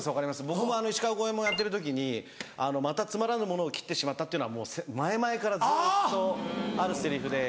僕も石川五ェ門やってる時に「またつまらぬものを斬ってしまった」っていうのは前々からずっとあるセリフで。